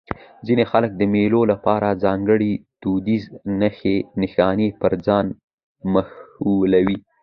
ځيني خلک د مېلو له پاره ځانګړي دودیزې نخښي نښانې پر ځان موښلوي.